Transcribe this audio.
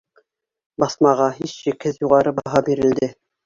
Баҫмаға, һис шикһеҙ, юғары баһа бирелде.